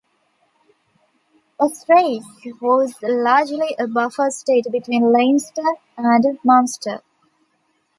Osraige was largely a buffer state between Leinster and Munster.